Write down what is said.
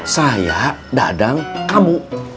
saya dadang kamu